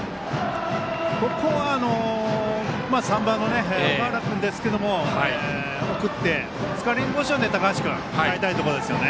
ここは３番の岳原君ですけど送ってスコアリングポジションで高橋君を迎えたいところですよね。